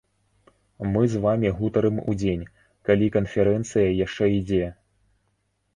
Мы з вамі гутарым удзень, калі канферэнцыя яшчэ ідзе.